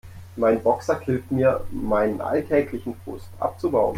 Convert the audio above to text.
Mein Boxsack hilft mir, meinen alltäglichen Frust abzubauen.